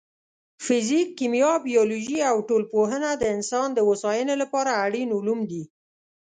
فزیک، کیمیا، بیولوژي او ټولنپوهنه د انسان د هوساینې لپاره اړین علوم دي.